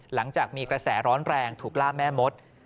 หลังจากมีกระแสร้อนแรงถูกล่าแม่มด